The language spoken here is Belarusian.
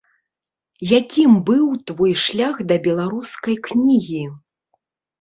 Якім быў твой шлях да беларускай кнігі?